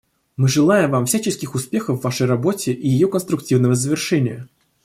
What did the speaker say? Мы желаем Вам всяческих успехов в Вашей работе и ее конструктивного завершения.